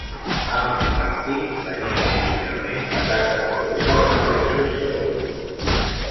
Humpty Dumpty venia originalment patates de bossa de diversos sabors.